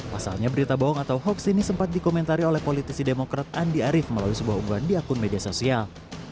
pasalnya berita bohong atau hoax ini sempat dikomentari oleh politisi demokrat andi arief melalui sebuah unggahan di akun media sosial